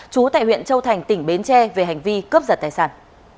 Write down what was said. chú tại huyện châu thành tỉnh bến tre về hành vi cướp giật tài sản